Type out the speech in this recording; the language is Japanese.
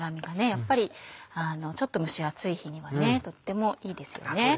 やっぱりちょっと蒸し暑い日にはとってもいいですよね。